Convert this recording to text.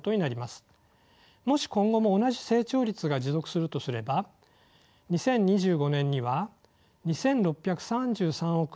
もし今後も同じ成長率が持続するとすれば２０２５年には２，６３３億円